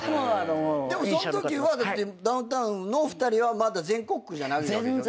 でもそんときはダウンタウンの２人はまだ全国区じゃないわけでしょ。